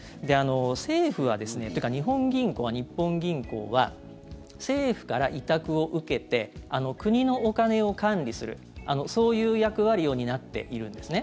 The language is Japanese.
政府はですねというか日本銀行は政府から委託を受けて国のお金を管理するそういう役割を担っているんですね。